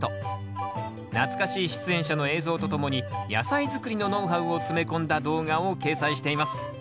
懐かしい出演者の映像とともに野菜づくりのノウハウを詰め込んだ動画を掲載しています。